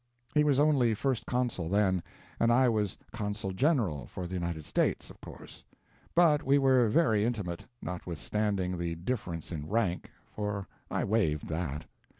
He was only First Consul then, and I was Consul General for the United States, of course; but we were very intimate, notwithstanding the difference in rank, for I waived that.